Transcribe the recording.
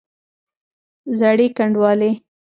زړې ګنډوالې!